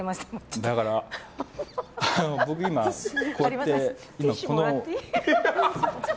だから、僕、今こうやって。